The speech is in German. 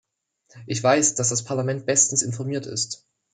Ich weiß, dass das Parlament bestens informiert ist.